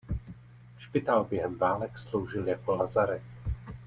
Špitál během válek sloužil jako lazaret.